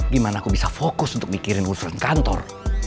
gimana aku bisa fokus untuk mikirin rusun kantor